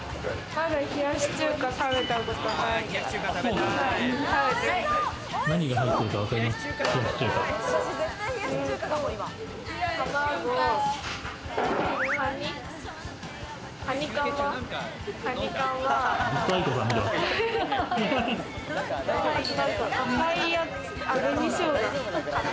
まだ冷やし中華食べたことないから。